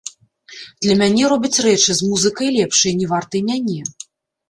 Для мяне робяць рэчы, з музыкай лепшай, не вартай мяне.